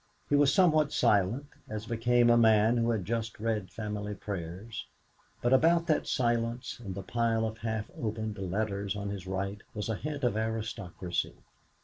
He was somewhat silent, as became a man who has just read family prayers; but about that silence, and the pile of half opened letters on his right, was a hint of autocracy.